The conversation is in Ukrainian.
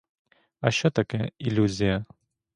А що таке — ілюзія?